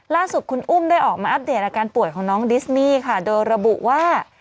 ล่าสุดคุณอุ้มได้ออกมาอัปเดตอาการป่วยของน้องดิสมี่ค่ะโดยระบุว่า